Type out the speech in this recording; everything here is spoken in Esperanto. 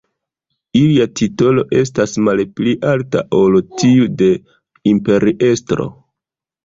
Ilia titolo estas malpli alta ol tiu de imperiestro.